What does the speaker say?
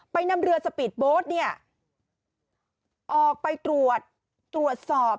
นำเรือสปีดโบ๊ทเนี่ยออกไปตรวจตรวจสอบ